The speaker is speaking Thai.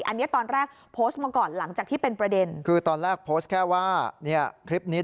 อันนี้ตอนแรกโพสต์มาก่อนหลังจากที่เป็นประเด็น